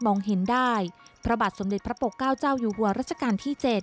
มองเห็นได้พระบาทสมเด็จพระปกเก้าเจ้าอยู่หัวรัชกาลที่๗